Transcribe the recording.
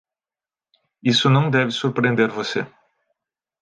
Isso não deve surpreender você.